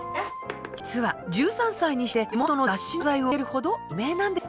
実は１３歳にして地元の雑誌の取材を受けるほど有名なんです。